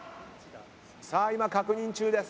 さあ今確認中です。